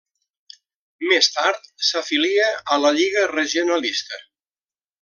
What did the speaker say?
Més tard, s'afilia a la Lliga Regionalista.